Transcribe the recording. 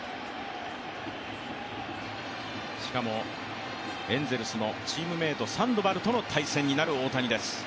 しかもエンゼルスのチームメイト、サンドバルとの対戦になる大谷です。